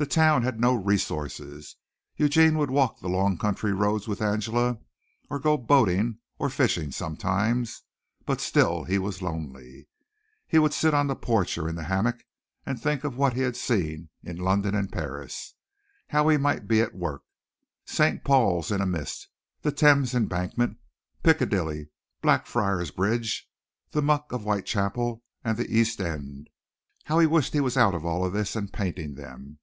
The town had no resources. Eugene would walk the long country roads with Angela or go boating or fishing sometimes, but still he was lonely. He would sit on the porch or in the hammock and think of what he had seen in London and Paris how he might be at work. St. Paul's in a mist, the Thames Embankment, Piccadilly, Blackfriars Bridge, the muck of Whitechapel and the East End how he wished he was out of all this and painting them.